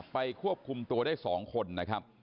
ควบคุมตัวได้๒คนนะครับ